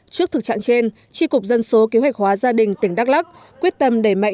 trước thực trạng trên tri cục dân số kế hoạch hóa gia đình tỉnh đắk lắc quyết tâm đẩy mạnh